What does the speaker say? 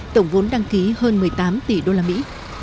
tổng vốn đăng ký hơn một mươi tám tỷ đô la mỹ